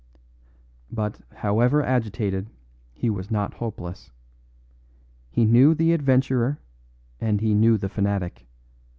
"But, however agitated, he was not hopeless. He knew the adventurer and he knew the fanatic.